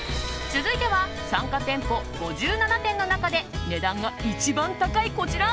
続いては参加店舗５７店の中で値段が一番高いこちら。